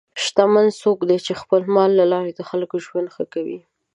شتمن څوک دی چې د خپل مال له لارې د خلکو ژوند ښه کوي.